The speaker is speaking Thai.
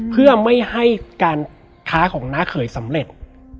เพื่อไม่ให้การค้าของน้าเขยสำเร็จ